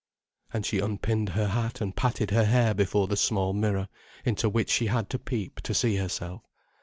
And she unpinned her hat and patted her hair before the small mirror, into which she had to peep to see herself.